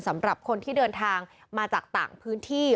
สำหรับคนที่เดินทางมาจากต่างพื้นที่